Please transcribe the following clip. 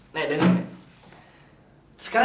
sekarang aku kuliah hampir setiap hari